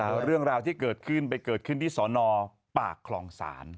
เรื่องราวที่เกิดขึ้นไปเกิดขึ้นที่สอนอปากคลองศาล